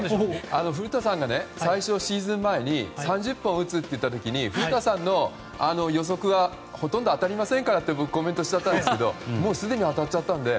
古田さんが最初シーズン前に３０本打つと言った時に古田さんの予測はほとんど当たりませんからと僕コメントしちゃったんですけどもうすでに当たっちゃったので。